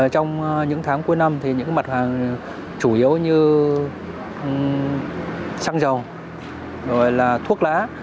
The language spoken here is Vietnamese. trong những tháng cuối năm những mặt hàng chủ yếu như xăng dầu thuốc lá